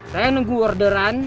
saya nunggu orderan